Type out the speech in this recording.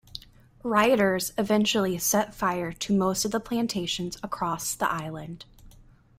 Rioters eventually set fire to most of the plantations across the island.